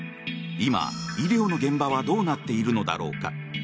今、医療の現場はどうなっているのだろうか。